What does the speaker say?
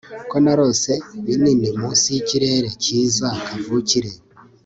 ko narose binini munsi yikirere cyiza kavukire